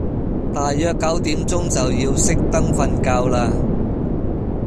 大約九點鐘就要熄燈瞓覺嘞